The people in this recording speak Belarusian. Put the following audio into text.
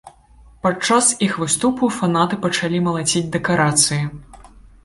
Падчас іх выступу фанаты пачалі малаціць дэкарацыі.